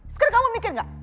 sekarang kamu mikir gak